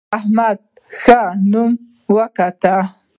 احمد ښه نوم وګاټه.